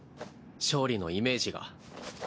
勝利のイメージが。